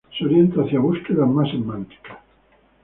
Se orienta hacia búsquedas más semánticas.